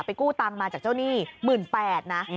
ไปกู้ตังมาจากเจ้าหนี้๑๘๐๐๐บาทนะ